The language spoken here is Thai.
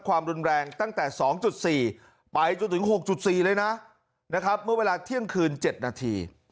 ความรุนแรงตั้งแต่๒๔ไปจนถึง๖๔เลยนะนะครับเมื่อเวลาเที่ยงคืน๗นาที